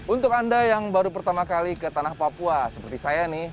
untuk anda yang baru pertama kali ke tanah papua seperti saya nih